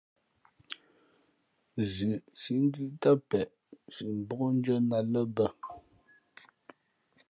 Zʉʼ síʼ ndʉ́ʼ ntám peʼe si mbókndʉ́ά nά ā lά bᾱ.